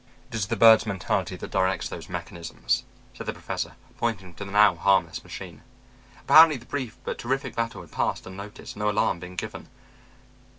"It is the birds' mentality that directs those mechanisms," said the Professor, pointing to the now harmless machine. Apparently the brief but terrific battle had passed unnoticed, no alarm being given.